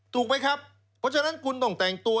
ถูกไหมครับเพราะฉะนั้นคุณต้องแต่งตัว